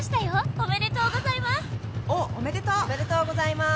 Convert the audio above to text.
「おめでとうございます」